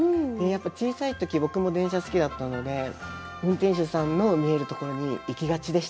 小さい時僕も電車好きだったので運転手さんの見える所に行きがちでした。